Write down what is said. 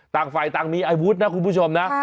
ต่างมีไอวุฒร์นะคุณผู้ชมนะ